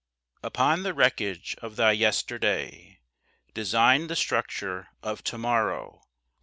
UPON the wreckage of thy yesterday Design the structure of tomorrow.